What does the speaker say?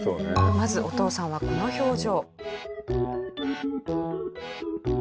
まずお父さんはこの表情。